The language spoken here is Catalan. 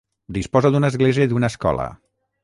Disposa d'una Església i d'una escola.